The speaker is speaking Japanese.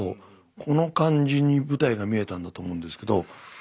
この感じに舞台が見えたんだと思うんですけど。